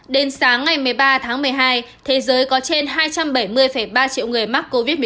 đến sáng ngày một mươi ba tháng một mươi hai thế giới có trên hai trăm bảy mươi ba triệu người mắc covid một mươi chín